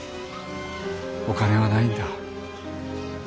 お金はないんだ。